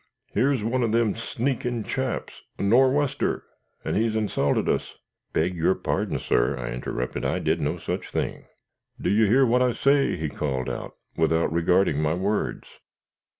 "Yer's one of them sneaking chaps a Nor'wester, and he's insulted us " "Beg your pardon, sir," I interrupted; "I did no such thing." "Do you hear that, I say?" he called out, without regarding my words.